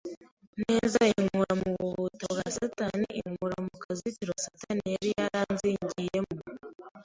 neza inkura mu bubata bwa satani, inkura mu kazitiro satani yari yaranzingiyemo,